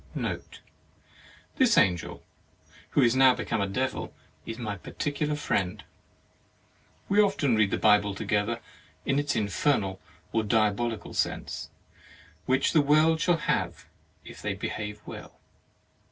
Note. — This Angel, who is now become a Devil, is my particular friend; we often read the Bible to gether in its infernal or diabolical sense, which the world shall have if they behave well.